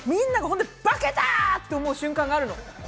みんなが、化けた！と思う瞬間があるの。